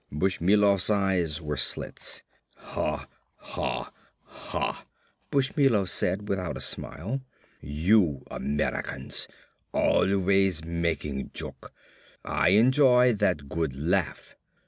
Bushmilov's eyes were slits. "Ha. Ha. Ha," Bushmilov said without a smile. "You Americans, always making joke. I enjoy that good laugh.